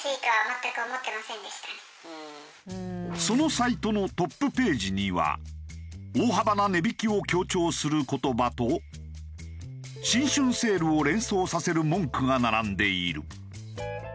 そのサイトのトップページには大幅な値引きを強調する言葉と新春セールを連想させる文句が並んでいる。